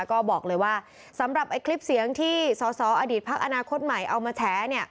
ก็บอกเลยว่าสำหรับคลิปเสียงที่สอสออดีตพักอนาคตใหม่เอามาแฉ